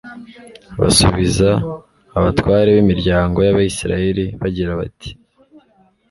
basubiza abatware b'imiryango y'abayisraheli, bagira bati